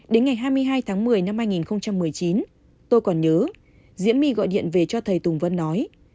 đến ngày hai mươi hai tháng một mươi năm hai nghìn một mươi chín tôi còn nhớ diễm my gọi điện về cho thầy tùng vân nói